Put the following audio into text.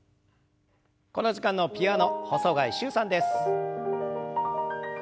この時間のピアノ細貝柊さんです。